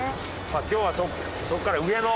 今日はそこから上野。